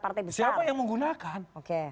partai besar siapa yang menggunakan oke